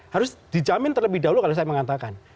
harus dijamin terlebih dahulu kalau saya mengatakan